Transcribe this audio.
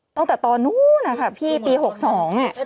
ตั้งแต่ตอนนู้นอะค่ะพี่ปี๖๒เนี่ย